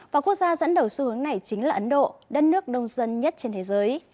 và quốc gia dẫn đầu xu hướng này chính là ấn độ đất nước đông dân nhất trên thế giới